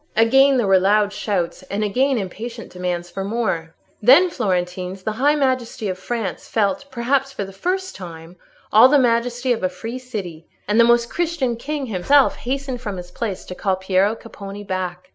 Again there were loud shouts—and again impatient demands for more. "Then, Florentines, the high majesty of France felt, perhaps for the first time, all the majesty of a free city. And the Most Christian King himself hastened from his place to call Piero Capponi back.